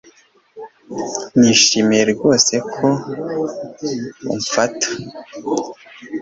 Nishimiye rwose ko umfata